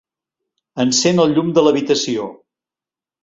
Encén el llum de l'habitació.